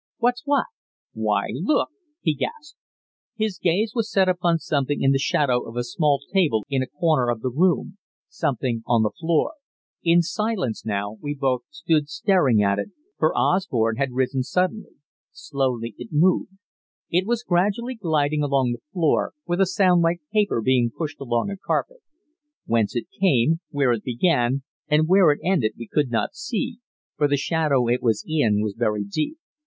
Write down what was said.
"What's what?" "Why! Look!" he gasped. His gaze was set upon something in the shadow of a small table in a corner of the room something on the floor. In silence, now, we both stood staring at it, for Osborne had risen suddenly. Slowly it moved. It was gradually gliding along the floor, with a sound like paper being pushed along a carpet. Whence it came, where it began and where it ended, we could not see, for the shadow it was in was very deep.